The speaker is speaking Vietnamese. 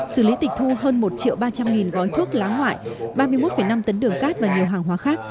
xử lý tịch thu hơn một ba trăm linh gói thuốc lá ngoại ba mươi một năm tấn đường cát và nhiều hàng hóa khác